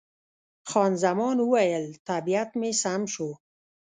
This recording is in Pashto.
خان زمان وویل، طبیعت مې سم شو.